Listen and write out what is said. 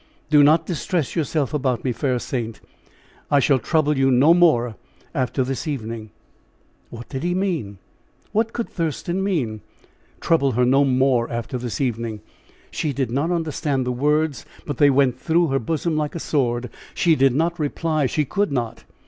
"Do not distress yourself about me, fair saint! I shall trouble you no more after this evening!" What did he mean? What could Thurston mean? Trouble her no more after this evening! She did not understand the words, but they went through her bosom like a sword. She did not reply she could not.